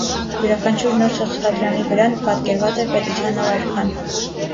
Յուրաքանչյուր նոր թղթադրամի վրա պատկերված էր պետության նոր արքան։